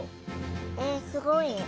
えっすごい。